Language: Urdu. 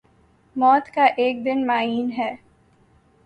موت کا ایک دن معین ہے